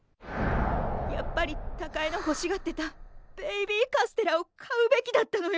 やっぱり貴恵のほしがってたベイビーカステラを買うべきだったのよ！